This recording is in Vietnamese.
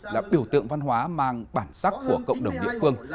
là biểu tượng văn hóa mang bản sắc của cộng đồng địa phương